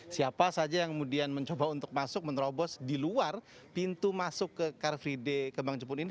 siapa saja yang kemudian mencoba untuk masuk menerobos di luar pintu masuk ke car free day kembang jepun ini